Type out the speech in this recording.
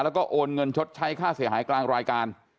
แล้วก็โอนเงินชดใช้ค่าเสียหายกลางรายการ